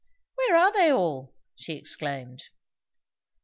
"Where are they all?" she exclaimed.